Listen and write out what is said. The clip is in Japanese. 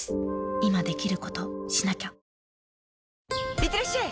いってらっしゃい！